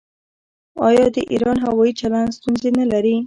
آیا د ایران هوايي چلند ستونزې نلري؟